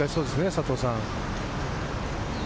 佐藤さん。